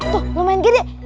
tuh lumayan gede